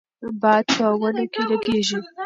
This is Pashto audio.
باد په ونو کې لګیږي.